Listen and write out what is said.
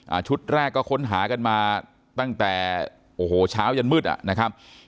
ชุดแรกก็ค้นหากันมาตั้งแต่โอ้โหเช้ายันมืดอ่ะนะครับ